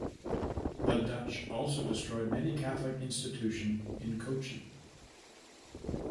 The Dutch also destroyed many Catholic institution in Cochin.